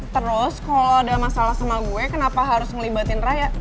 terus kalau ada masalah sama gue kenapa harus melibatkan raya